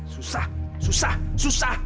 susah susah susah